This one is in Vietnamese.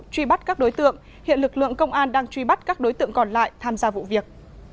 truy bắt các đối tượng hiện lực lượng công an đang truy bắt các đối tượng còn lại tham gia vụ việc